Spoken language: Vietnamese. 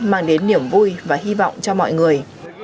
mang đến niềm vui và hy vọng cho mọi người